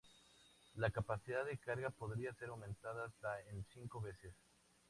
La capacidad de carga podría ser aumentada hasta en cinco veces.